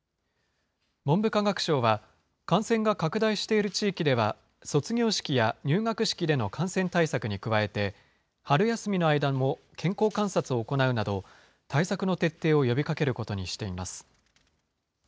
文部科学省は、感染が拡大している地域では、卒業式や入学式での感染対策に加えて、春休みの間も、健康観察を行うなど、対策の徹底を呼びかけることにしています。